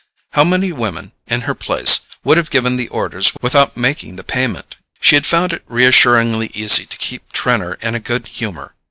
How many women, in her place, would have given the orders without making the payment! She had found it reassuringly easy to keep Trenor in a good humour.